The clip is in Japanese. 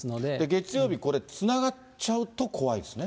月曜日、これ、つながっちゃうと怖いですね。